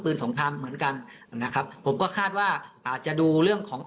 สงครามเหมือนกันนะครับผมก็คาดว่าอาจจะดูเรื่องของ